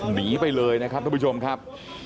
หนีไปเลยนะครับทุกผู้ชมครับ